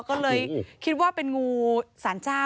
ก็เลยคิดว่าเป็นงูสารเจ้า